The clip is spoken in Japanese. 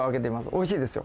おいしいですよ。